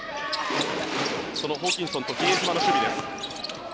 そのホーキンソンと比江島の守備です。